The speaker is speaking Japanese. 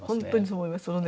本当にそう思います。